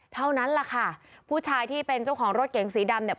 เท่านั้นแหละค่ะผู้ชายที่เป็นเจ้าของรถเก๋งสีดำเนี่ย